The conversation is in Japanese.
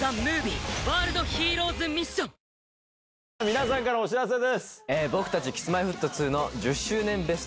皆さんからお知らせです。